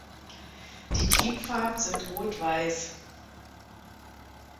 Die Teamfarben sind rot-weiß.